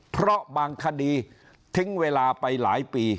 เพราะบางคดีทิ้งเวลาไปหลายปี